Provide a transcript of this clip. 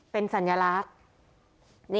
เป็นสัญลักษณ์